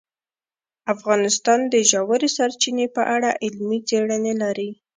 افغانستان د ژورې سرچینې په اړه علمي څېړنې لري.